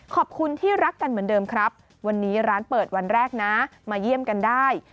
ขอบคุณที่รักกันเหมือนเดิมครับวันนี้ร้านเปิดวันแรกนะมาเยี่ยมกันได้